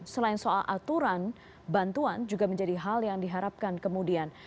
selain soal aturan bantuan juga menjadi hal yang diharapkan kemudian